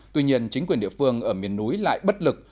tuy nhiên chính quyền địa phương ở miền núi lại bất lực